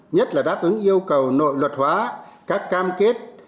nhất là đáp ứng yêu cầu nội luật hóa các cam kết